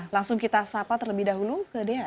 langsung kita sapa terlebih dahulu ke dea